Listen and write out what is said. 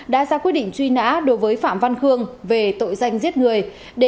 đã ra quyết định truy nã đối với phạm văn khương về tội danh giết người